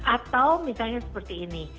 atau misalnya seperti ini